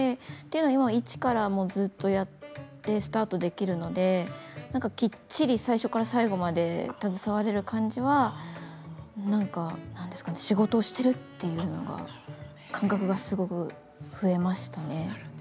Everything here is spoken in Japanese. でも１からずっとやってスタートできるのできっちり最初から最後まで携われる感じは何ですかね仕事をしてるっていう感覚がすごく増えましたね。